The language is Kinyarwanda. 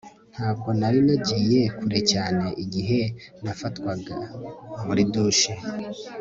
Ntabwo nari nagiye kure cyane igihe nafatwaga muri douche